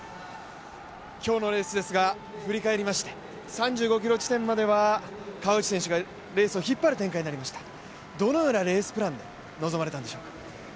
今日のレースですが、振り返りまして３５ｋｍ地点までは川内選手がレースを引っ張るような展開になりました、どのようなレースプランで臨まれたんでしょうか？